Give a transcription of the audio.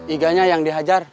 iganya yang dihajar